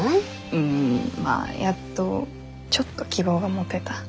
うんまあやっとちょっと希望が持てた。